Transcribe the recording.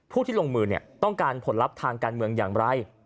ที่ลงมือต้องการผลลัพธ์ทางการเมืองอย่างไร